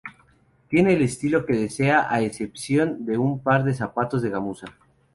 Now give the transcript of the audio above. Tiene el estilo que desea, a excepción de un par de zapatos de gamuza.